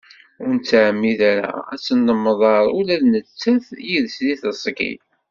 Ur nettɛemmid ara ad tennemḍar ula d nettat yid-s deg tezgi.